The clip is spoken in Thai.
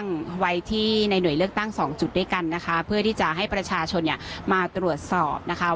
การใช้สิทธิ์เลือกตั้งไว้ที่ในหน่วยเลือกตั้งสองจุดด้วยกันนะคะเพื่อที่จะให้ประชาชนเนี้ยมาตรวจสอบนะคะ